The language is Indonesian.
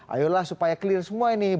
ayolah supaya clear semua ini